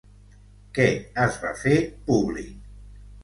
Què es va fer públic?